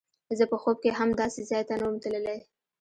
زه په خوب کښې هم داسې ځاى ته نه وم تللى.